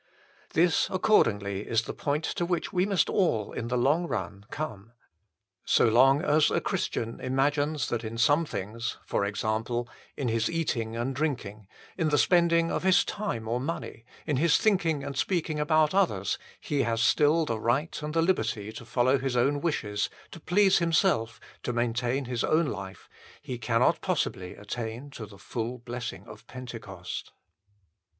This, accordingly, is the point to which we must all in the long run come. So long as a Christian imagines that in some things for example, in his eating and drinking, in the spending of his time or money, in his think ing and speaking about others he has still the right and the liberty to follow his own wishes, to please himself, to maintain his own life, he cannot possibly attain to the full blessing of Pentecost.